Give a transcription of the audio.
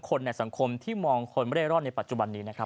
ทั้งคนในสังคมที่มองคนเล่ร่อนในปัจจุบันนี้